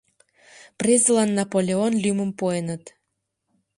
Презылан Наполеон лӱмым пуэныт.